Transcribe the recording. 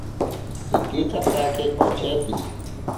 Ikitsatake osheki.